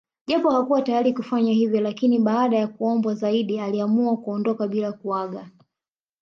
Japo hakuwa tayari kufanya hivyo lakini baada ya kuombwa zaidi aliamua kuondoka bila kuaga